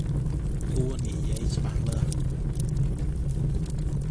គូរនិយាយច្បាស់លាស់!